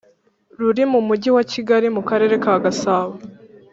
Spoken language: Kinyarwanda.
ruri mu Mujyi wa Kigali mu Karere ka Gasabo